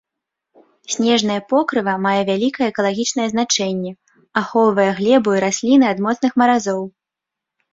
Снежнае покрыва мае вяліка экалагічнае значэнне, ахоўвае глебу і расліны ад моцных маразоў.